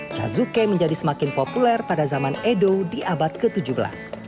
cazuke menjadi semakin populer pada zaman edo di abad ke tujuh belas